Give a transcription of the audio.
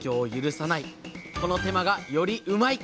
この手間がよりうまいッ！